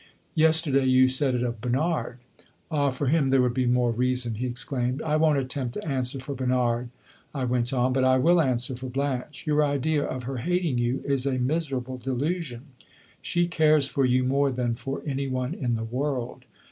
'Yesterday you said it of Bernard.' 'Ah, for him there would be more reason!' he exclaimed. 'I won't attempt to answer for Bernard,' I went on, 'but I will answer for Blanche. Your idea of her hating you is a miserable delusion. She cares for you more than for any one in the world.